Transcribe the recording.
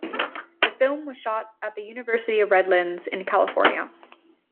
The film was shot at the University of Redlands in California.